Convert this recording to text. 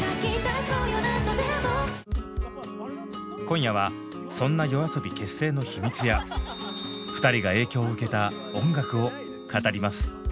今夜はそんなＹＯＡＳＯＢＩ結成の秘密や２人が影響を受けた音楽を語ります。